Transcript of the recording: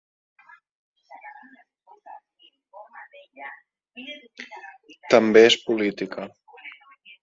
També és política.